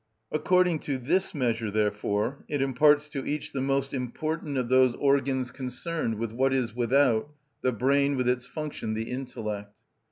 According to this measure, therefore, it imparts to each the most important of those organs concerned with what is without, the brain, with its function the intellect.